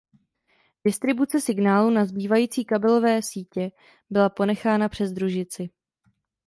Distribuce signálu na zbývající kabelové sítě byla ponechána přes družici.